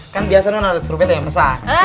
kan biasanya orang orang yang pesen yang pesan